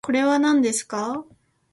これはなんですか？